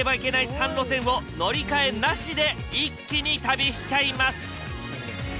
３路線を乗り換えなしで一気に旅しちゃいます。